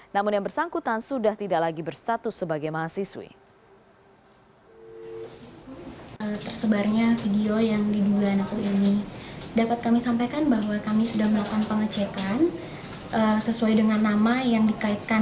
namun yang bersangkutan sudah tidak lagi berstatus sebagai mahasiswi